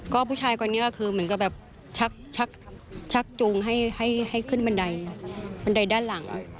ก็ผู้ชายคนนี้ก็คือเหมือนกับแบบชักจูงให้ขึ้นบันไดบันไดด้านหลัง